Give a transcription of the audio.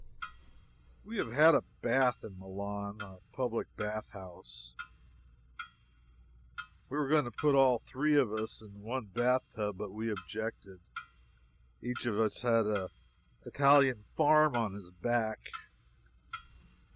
We have had a bath in Milan, in a public bath house. They were going to put all three of us in one bath tub, but we objected. Each of us had an Italian farm on his back.